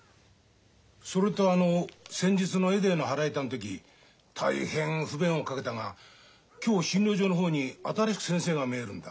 それとあの先日のエデーの腹痛ん時大変不便をかけたが今日診療所の方に新しく先生が見えるんだ。